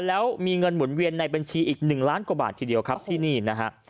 แล้วมีเงินหมุนเวียนในบัญชีอีก๑ล้านกว่าบาททีเดียวครับที่นี่นะฮะ